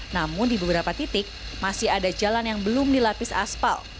namun di beberapa titik masih ada jalan yang belum dilapis aspal